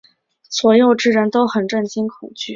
左右之人都很震惊恐惧。